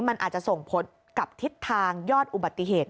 มันอาจจะส่งผลกับทิศทางยอดอุบัติเหตุ